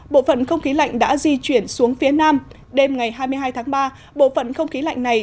bộ phận không khí lạnh đã di chuyển xuống phía nam đêm ngày hai mươi hai tháng ba bộ phận không khí lạnh này